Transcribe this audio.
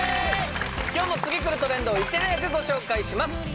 今日も次くるトレンドをいち早くご紹介します